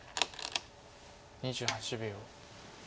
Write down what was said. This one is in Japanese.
２８秒。